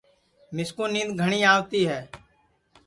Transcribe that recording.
مِسکُو نِینٚدؔ گھٹؔی آوتی ہے